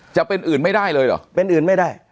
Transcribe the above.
จะเป็นอื่นไม่ได้เลยเหรอเป็นอื่นไม่ได้